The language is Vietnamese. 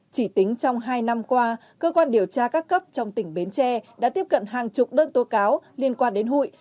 chỉ tính trong hai năm qua cơ quan điều tra các cấp trong tỉnh bến tre đã tiếp cận hàng chục đơn tố cáo liên quan đến hụi